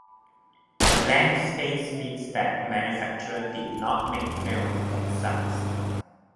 A blank space means that manufacturer did not make film in that size.